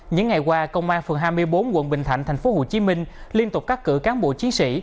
những ngày qua công an phường hai mươi bốn quận bình thạnh tp hcm liên tục cắt cử cán bộ chiến sĩ